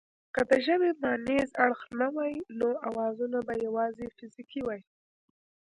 که د ژبې مانیز اړخ نه وای نو اوازونه به یواځې فزیکي وای